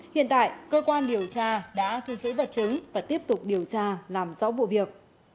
hiện tại cơ quan điều tra đã thu giữ vật chứng và tiếp tục điều tra làm rõ vụ việc